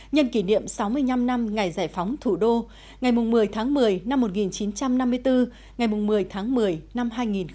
nhân kỷ niệm sáu mươi năm năm ngày giải phóng thủ đô ngày một mươi tháng một mươi năm một nghìn chín trăm năm mươi bốn ngày một mươi tháng một mươi năm hai nghìn hai mươi